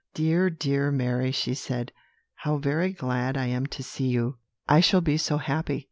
"'Dear, dear Mary,' she said, 'how very glad I am to see you! I shall be so happy!